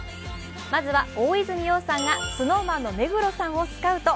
まずは大泉洋さんがＳｎｏｗＭａｎの目黒さんをスカウト。